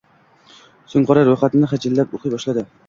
So`ng, qora ro`yxatini hijjalab o`qiy boshladi